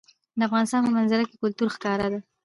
د افغانستان په منظره کې کلتور ښکاره ده.